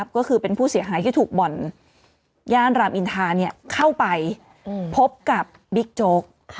ก็คือเป็นผู้เสียหายที่ถูกบ่อนย่านรามอินทาเข้าไปพบกับบิ๊กโจ๊ก